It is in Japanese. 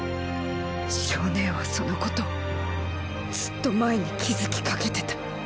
象姉はそのことをずっと前に気付きかけてた。